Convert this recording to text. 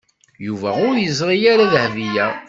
Yuba ur yeẓri ara Dahbiya.